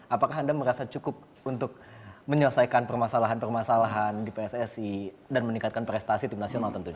apakah anda merasa cukup untuk menyelesaikan permasalahan permasalahan di pssi dan meningkatkan prestasi tim nasional tentunya